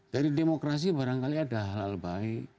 dari demokrasi barangkali ada hal hal baik